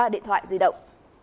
ba điện thoại di động